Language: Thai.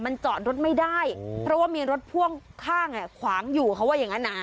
มันจอดรถไม่ได้เพราะว่ามีรถพ่วงข้างขวางอยู่เขาว่าอย่างนั้นนะ